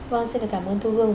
vâng xin cảm ơn thu hương